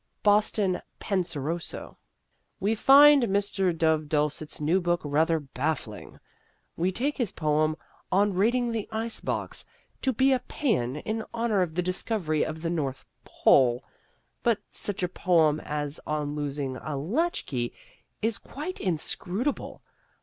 Boston Penseroso: We find Mr. Dove Dulcet's new book rather baffling. We take his poem "On Raiding the Ice Box" to be a pæan in honor of the discovery of the North Pole; but such a poem as "On Losing a Latchkey," is quite inscrutable.